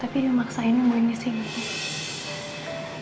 tapi dia maksain yang mau disiniin